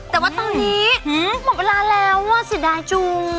แต่ว่าตอนนี้หมดเวลาแล้วเสียดายจูง